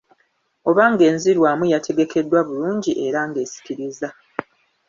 Oba ng’enzirwamu yategekeddwa bulungi era ng’esikiriza